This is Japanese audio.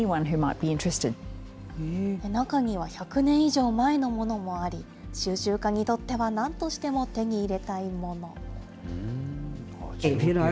中には１００年以上前のものもあり、収集家にとってはなんとしても手に入れたいもの。